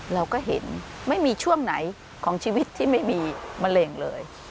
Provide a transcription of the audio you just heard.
เราก็เห็นไม่มีช่วงไหนของชีวิตที่ไม่มีมะเร็งเลย